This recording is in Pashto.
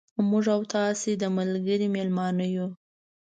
موږ او تاسو د ملګري مېلمانه یو.